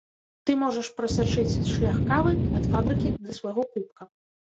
Ты можаш прасачыць шлях кавы ад фабрыкі да свайго кубка.